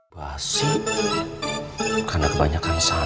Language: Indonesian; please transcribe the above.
basi karena kebanyakan santan